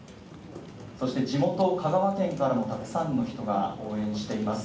そして地元・香川県からもたくさんの人が応援しています。